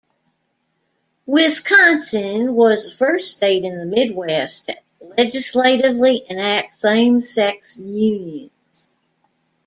Wisconsin was the first state in the Midwest to legislatively enact same-sex unions.